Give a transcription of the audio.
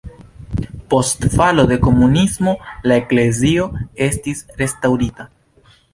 Post falo de komunismo la eklezio estis restaŭrita.